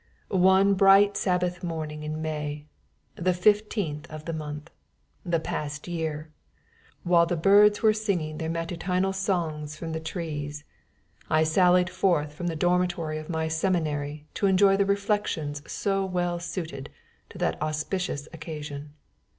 One bright Sabbath morning in May, the 15th day of the month, the past year, while the birds were singing their matutinal songs from the trees, I sallied forth from the dormitory of my seminary to enjoy the reflections so well suited to that auspicious occasion.